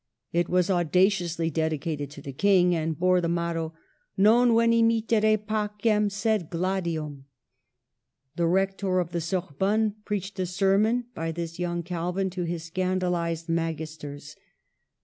It was au daciously dedicated to the King, and bore the motto :" Non veni mittere pacem, sed gladium." The Rector of the Sorbonne preached a sermon by this young Calvin to his scandalized magis ters.